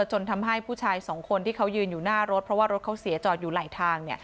จนทำให้ผู้ชายสองคนที่เขายืนอยู่หน้ารถเพราะว่ารถเขาเสียจอดอยู่ไหลทาง